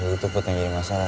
itu pun yang jadi masalah